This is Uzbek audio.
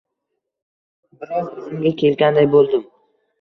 Biroz oʻzimga kelganday boʻldim